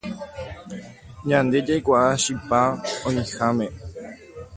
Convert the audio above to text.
Ñande jaikuaa chipa oĩháme